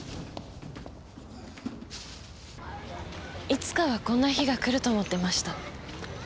いつかはこんな日が来ると思ってました。